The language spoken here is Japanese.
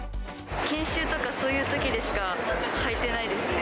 研修とか、そういうときでしかはいてないですね。